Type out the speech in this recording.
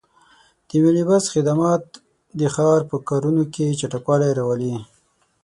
د ملي بس خدمات د ښار په کارونو کې چټکوالی راولي.